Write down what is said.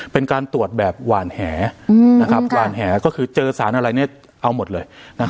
เป็นการตรวจแบบหวานแหหวานแหก็คือเจอสารอะไรเอาหมดเลย